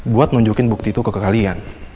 buat nunjukin bukti itu ke kekalian